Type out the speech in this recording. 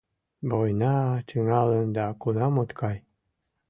— Война тӱҥалын, да кунам от кай.